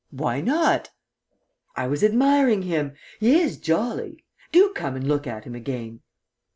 "Why not?" "I was admiring him. He is jolly. Do come and look at him again."